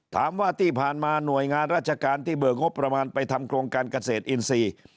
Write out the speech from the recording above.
ถามว่าที่ผ่านมาหน่วยงานราชการที่เบิกงบประมาณไปทำโครงการเกษตรอินทรีย์